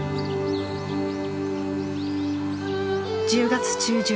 １０月中旬。